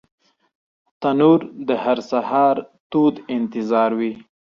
تنور د هر سهار تود انتظار وي